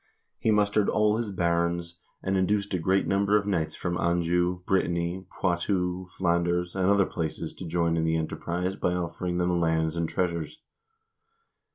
He mustered all his barons, and in duced a great number of knights from Anjou, Brittany, Poitoll, Flanders, and other places to join in the enterprise by offering them lands and treasures.